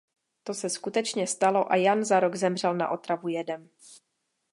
To se skutečně stalo a Jan za rok zemřel na otravu jedem.